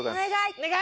お願い！